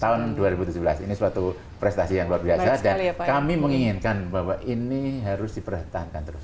tahun dua ribu tujuh belas ini suatu prestasi yang luar biasa dan kami menginginkan bahwa ini harus dipertahankan terus